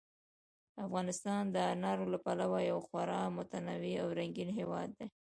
افغانستان د انارو له پلوه یو خورا متنوع او رنګین هېواد دی.